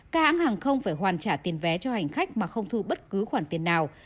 các hãng hàng không phải hoàn trả tiền vé cho hành khách mà không thu bất cứ khoản tiền nào